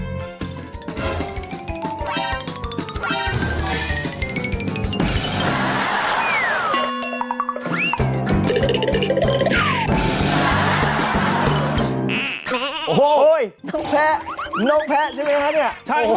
น้องแพ้น้องแพ้ใช่ไหมฮะเนี่ย